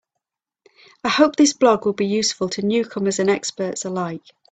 I hope this blog will be useful to newcomers and experts alike.